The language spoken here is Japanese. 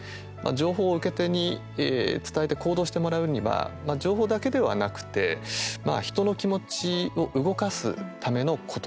情報を受け手に伝えて行動してもらうには情報だけではなくて人の気持ちを動かすための言葉